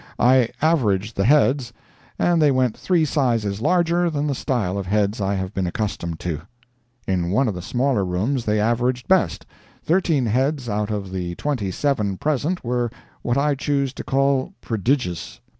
I averaged the heads, and they went three sizes larger than the style of heads I have been accustomed to. In one of the smaller rooms they averaged best—thirteen heads out of the twenty seven present were what I choose to call prodigious.